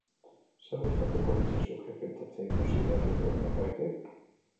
Zer gustatuko litzaizuke pentsatzea ikusi berri duen norbaitek?